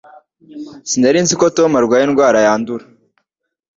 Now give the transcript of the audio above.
Sinari nzi ko Tom arwaye indwara yandura